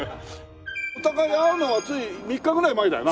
お互い会うのはつい３日ぐらい前だよな。